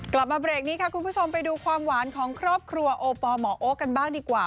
กลับมาเบรกนี้ค่ะคุณผู้ชมไปดูความหวานของครอบครัวโอปอลหมอโอ๊คกันบ้างดีกว่า